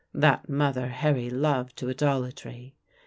That mother Harry loved to idolatry.